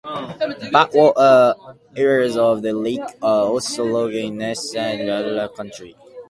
Backwater areas of the lake are also located in Nelson County and Anderson County.